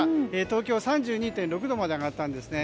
東京、３２．６度まで上がったんですね。